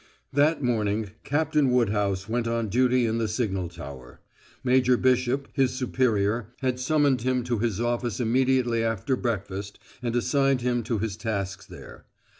That morning, Captain Woodhouse went on duty in the signal tower. Major Bishop, his superior, had summoned him to his office immediately after breakfast and assigned him to his tasks there.